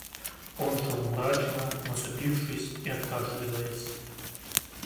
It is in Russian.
Он шел мрачно, насупившись и откашливаясь.